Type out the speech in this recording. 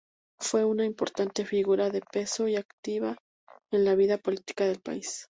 Fue una importante figura de peso y activa en la vida política del país.